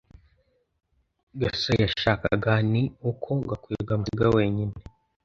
gasore yashakaga ni uko gakwego amusiga wenyine